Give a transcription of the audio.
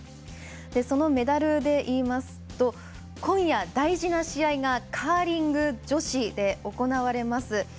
そのメダルで言いますと今夜、大事な試合がカーリング女子で行われます。